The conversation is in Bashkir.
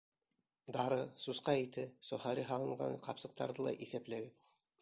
Дары, сусҡа ите, сохари һалынған ҡапсыҡтарҙы ла иҫәпләгеҙ.